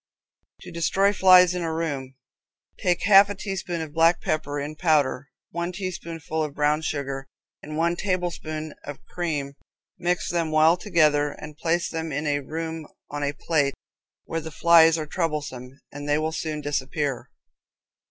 To Destroy Flies in a room, take half a teaspoonful of black pepper in powder, one teaspoonful of brown sugar, and one tablespoonful of cream, mix them well together, and place them in the room on a plate, where the flies are troublesome, and they will soon disappear.